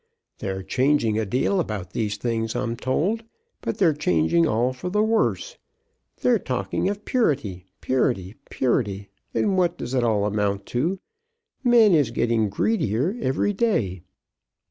They're changing a deal about these things, I'm told; but they're changing all for the worse. They're talking of purity, purity, purity; and what does it all amount to? Men is getting greedier every day."